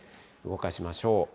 動かしましょう。